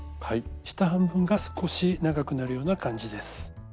下半分が少し長くなるような感じです。